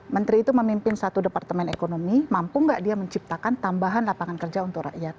menteri itu memimpin satu departemen ekonomi mampu nggak dia menciptakan tambahan lapangan kerja untuk rakyat